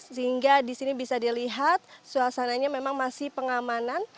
sehingga di sini bisa dilihat suasananya memang masih pengamanan